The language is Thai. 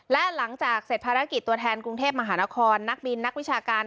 และหลังจากเสร็จภารกิจตัวแทนกรุงเทพมหานครนักบินนักวิชาการ